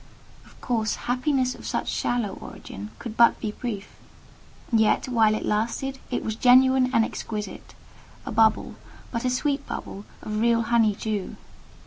Of course, happiness of such shallow origin could be but brief; yet, while it lasted it was genuine and exquisite: a bubble—but a sweet bubble—of real honey dew.